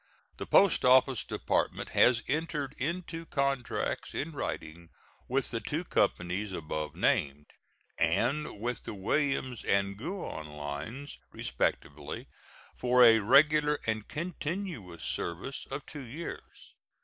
The Post Office Department has entered into contracts in writing with the two companies above named, and with the Williams and Guion lines, respectively, for a regular and continuous service of two years.